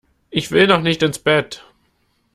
Ich will noch nicht ins Bett!